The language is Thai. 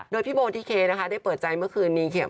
โดยพี่โบทิเคนะคะได้เปิดใจเมื่อคืนนี้